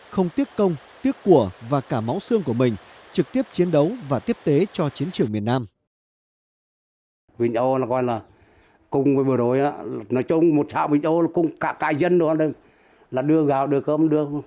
không tiếc công tiếc của và cả máu xương của mình trực tiếp chiến đấu và tiếp tế cho chiến trường miền nam